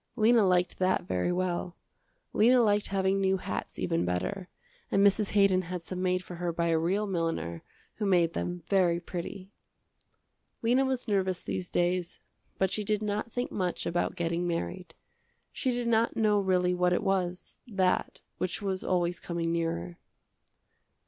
Lena liked that very well. Lena liked having new hats even better, and Mrs. Haydon had some made for her by a real milliner who made them very pretty. Lena was nervous these days, but she did not think much about getting married. She did not know really what it was, that, which was always coming nearer.